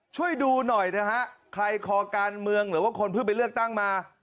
ช่วยดูหน่อยนะฮะใครคอการเมืองหรือว่าคนเพิ่งไปเลือกตั้งมา